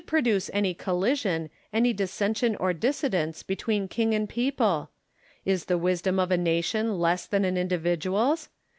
What should produce any collision, any dissension or dissidence, between king and people ? Is the wisdom of a nation less than an individual's